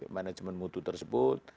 manajemen mutu tersebut